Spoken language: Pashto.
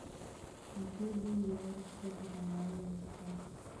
دې لوی ویاړ ته درناوی وکړه.